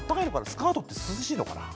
スカートって涼しいのかな。